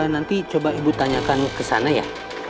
nanti coba ibu tanyakan ke sana ya